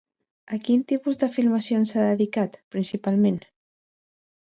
A quin tipus de filmacions s'ha dedicat, principalment?